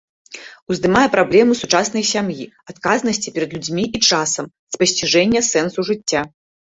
Уздымае праблемы сучаснай сям'і, адказнасці перад людзьмі і часам, спасціжэння сэнсу жыцця.